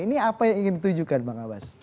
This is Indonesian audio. ini apa yang ingin ditujukan bang abbas